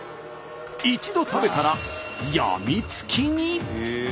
一度食べたら病みつきに。